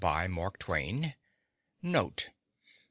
by Mark Twain [NOTE.